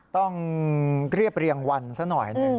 ต้องเรียบเรียงวันซะหน่อยหนึ่ง